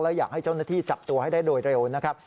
และอยากให้เจ้าหน้าที่จับตัวให้ได้โดยเร็วนะครับ